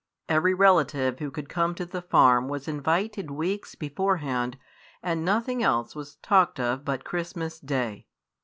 Every relative who could come to the farm was invited weeks beforehand; and nothing else was talked of but Christmas Day.